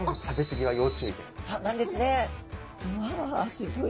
すギョい